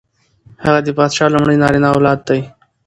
هغه د پادشاه لومړی نارینه اولاد دی.